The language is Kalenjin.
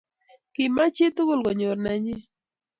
Kimach chitugul konyor nanyi